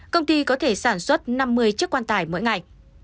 công ty có thể sản xuất năm mươi chiếc quan tải mỗi ngày